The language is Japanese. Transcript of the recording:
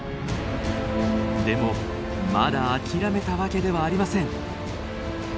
でもまだ諦めたわけではありません。